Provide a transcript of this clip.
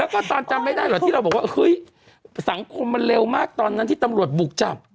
ก็จำไม่ได้หรอกที่เราบอกสังคมมันเร็วมากตอนที่ตำรวจบุกจับ